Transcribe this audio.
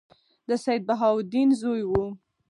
د سیدبهاءالدین زوی وو.